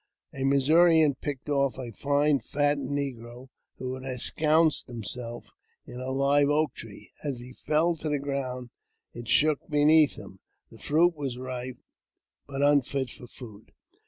A Missourian picked off a fine fat negro who had ensconced himself in a live oak tree. As he fell to the ground it shook beneath him : the fruit was ripe, but unfit for food.